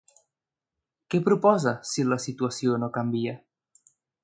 Què proposa si la situació no canvia?